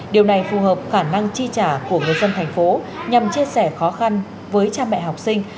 điều này phù hợp khả năng chi trả của người dân thành phố nhằm chia sẻ khó khăn với cha mẹ học sinh